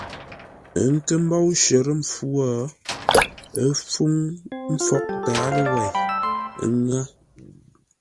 A kə̂ mbóu shərə́ mpfu wo, ə́ fúŋ mpfǒghʼ tǎaló wêi, ə́ ŋə́.